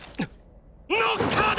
ノッカーだ！！